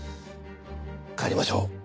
帰りましょう。